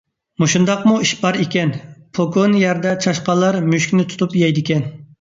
مۇنداقمۇ ئىش بار ئىكەن، پوكۈنى يەردە چاشقانلار مۈشۈكنى تۇتۇپ يەيدىكەن.